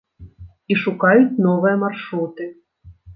І шукаюць новыя маршруты.